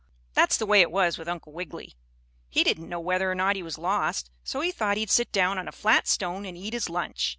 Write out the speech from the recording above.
That's the way it was with Uncle Wiggily, he didn't know whether or not he was lost, so he thought he'd sit down on a flat stone and eat his lunch.